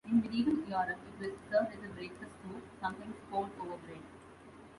In medieval Europe, it was served as a breakfast soup, sometimes poured over bread.